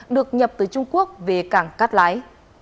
được nhập từ trung quốc về cảng cát lái